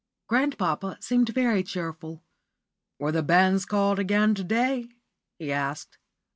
Grandpapa seemed very cheerful. "Were the banns called again to day?" he asked.